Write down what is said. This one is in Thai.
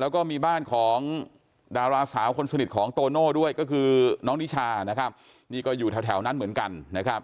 แล้วก็มีบ้านของดาราสาวคนสนิทของโตโน่ด้วยก็คือน้องนิชานะครับนี่ก็อยู่แถวนั้นเหมือนกันนะครับ